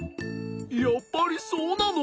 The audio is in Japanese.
やっぱりそうなの？